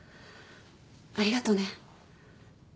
ありがとね。